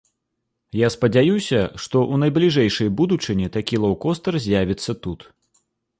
Я спадзяюся, што ў найбліжэйшай будучыні такі лоўкостар з'явіцца тут.